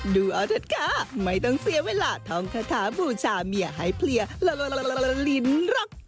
ดูเอาเถอะค่ะไม่ต้องเสียเวลาท่องคาถาบูชาเมียให้เพลียลิ้นหรอก